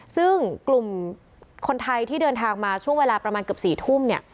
ซึ่งกลุ่มคนไทยที่เดินทางมาช่วงเวลาประมาณเกือบ๔ทุ่มเนี่ย